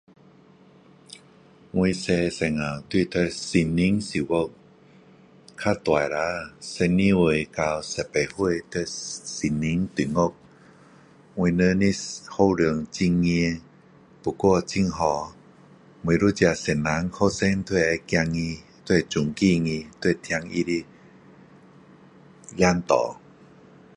我小时候就是读圣心小学较大时我到18岁就在圣心中学我们的校长很严不过很好每一个先生学生都会怕他都会尊敬他都会听他的教导